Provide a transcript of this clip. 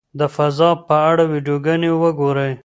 د فضا په اړه ویډیوګانې وګورئ.